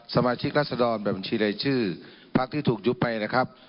สมาชิกรัศดรแบบบัญชีรายชื่อพักที่ถูกยุบไปนะครับ